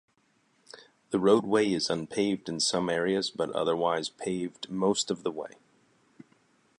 The roadway is unpaved in some areas, but otherwise paved most of the way.